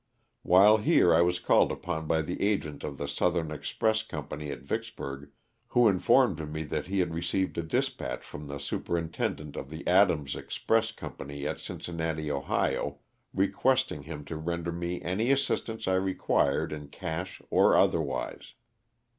While here I was called upon by the agent of the South ern express company at Vicksburg who informed me that he had received a dispatch from the superintendent of the Adams express company at Cincinnati, Ohio, re questing him to render me any assistance I required in cash or otherwise.